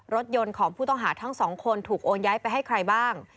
รถยนต์ของผู้ต้องหาทั้งสองคนถูกโอนย้ายไปให้ใครบ้าง